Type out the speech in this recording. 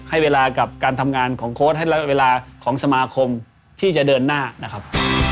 ให้เวลากับการทำงานของโค้ดให้และเวลาของสมาคมที่จะเดินหน้านะครับ